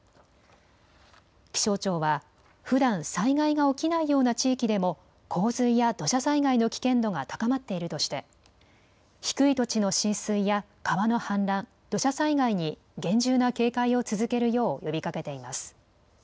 気象庁はふだん災害が起きないような地域でも洪水や土砂災害の危険度が高まっているとして低い土地の浸水や川の氾濫、土砂災害に厳重な警戒を続けるよう呼びかけています。